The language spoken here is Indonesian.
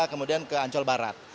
kemudian ke ancol barat